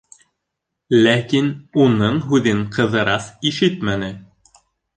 Ләкин уның һүҙен Ҡыҙырас ишетмәне.